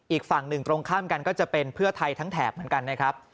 อีกฝั่งหนึ่งตรงข้ามกันก็จะเป็นเพื่อไทยทั้งแถบเหมือนกันนะครับ